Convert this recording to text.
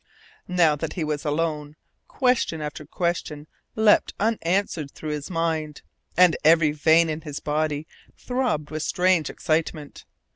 Now that he was alone, question after question leapt unanswered through his mind, and every vein in his body throbbed with strange excitement.